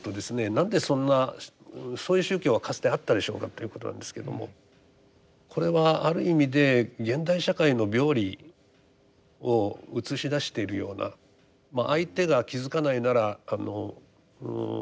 なんでそんなそういう宗教はかつてあったでしょうかということなんですけどもこれはある意味で現代社会の病理を映し出しているような相手が気付かないならあの